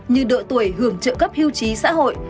như độ tuổi hưởng trợ cấp hưu trí xã hội